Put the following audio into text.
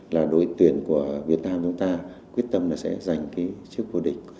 là đội tuyển của việt nam chúng ta quyết tâm là sẽ giành cái chức năng